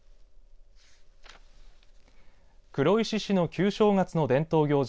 黒石市の旧正月の伝統行事